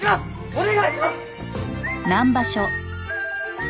お願いします！